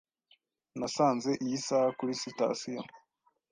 Nasanze iyi saha kuri sitasiyo.